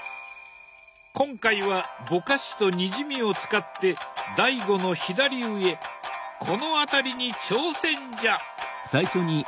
今回はぼかしとにじみを使って「醍醐」の左上この辺りに挑戦じゃ！